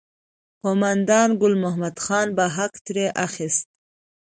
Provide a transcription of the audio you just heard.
قوماندان ګل محمد خان به حق ترې اخیست.